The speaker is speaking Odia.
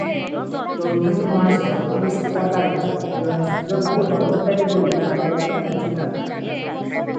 ଚୌଧୁରୀ ମହାଶୟ ପୋଲିସ ଇଲାକାରେ ଜଣେ ସୁଯୋଗ୍ୟ କର୍ମଚାରୀ ବୋଲି ତାଙ୍କର ଖ୍ୟାତି ଥିଲା ।